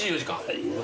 はい。